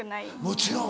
もちろん。